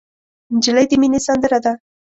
نجلۍ د مینې سندره ده.